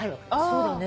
そうだよね。